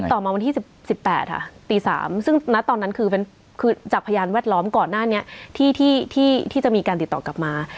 ต่อมาวันที่๑๘ค่ะตี๓ซึ่งณตอนนั้นคือจากพยานแวดล้อมก่อนหน้านี้ที่จะมีการติดต่อกลับมา